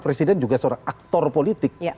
presiden juga seorang aktor politik